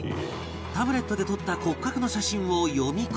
タブレットで撮った骨格の写真を読み込み